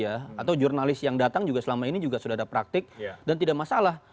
atau jurnalis yang datang juga selama ini juga sudah ada praktik dan tidak masalah